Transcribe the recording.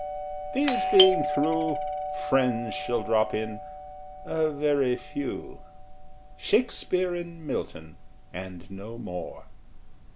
These being through, Friends shall drop in, a very few Shakespeare and Milton, and no more.